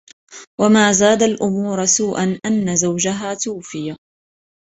وما زاد الأمور سوءًا ، أن زوجها توفي.